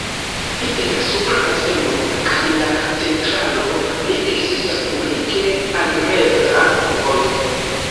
Inter la supra baseno kaj la centralo ne ekzistas publike alirebla vojo.